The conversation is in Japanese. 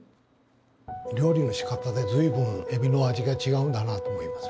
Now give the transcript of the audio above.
料理の仕方で随分エビの味が違うんだなと思いますね。